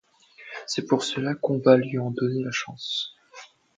C’est pour cela qu’on va lui en donner la chance.